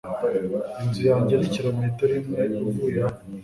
inzu yanjye ni kilometero imwe uvuye hano